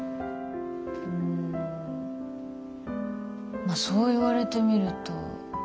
うんまあそう言われてみると。